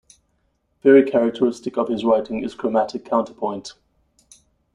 Very characteristic of his writing is chromatic counterpoint.